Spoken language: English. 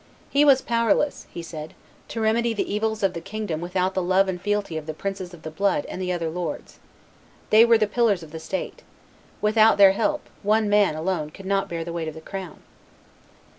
"He was powerless," he said, "to remedy the evils of the kingdom without the love and fealty of the princes of the blood and the other lords; they were the pillars of the state; without their help one man alone could not bear the weight of the crown."